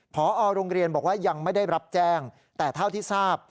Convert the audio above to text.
พอโรงเรียนบอกว่ายังไม่ได้รับแจ้งแต่เท่าที่ทราบ